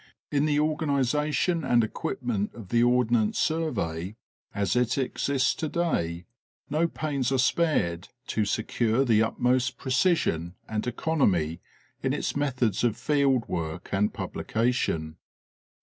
In the organization and equipment of the Ordnance Survey, as it exists to day, no pains are spared to secure the utmost precision and economy in its methods of field work and publication.